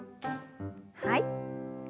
はい。